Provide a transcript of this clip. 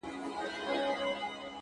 o ځوان ناست دی؛